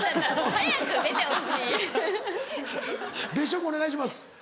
別所君お願いします。